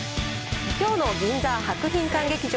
きょうの銀座・博品館劇場